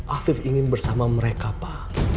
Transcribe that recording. afif ingin bersama mereka pak